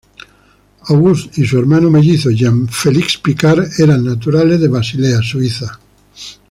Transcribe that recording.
Auguste y su hermano mellizo Jean Felix Piccard eran naturales de Basilea, Suiza.